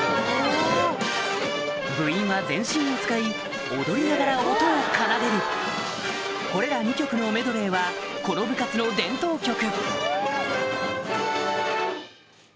部員は全身を使い踊りながら音を奏でるこれら２曲のメドレーはこの部活の伝統曲 ＨｅｙＰａｃｈｕｃｏ！